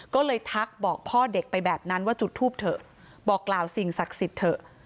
ก็เลยทักบอกพ่อเด็กไปแบบนั้นว่าจุดทูปเถอะบอกกล่าวสิ่งศักดิ์สิทธิ์เถอะ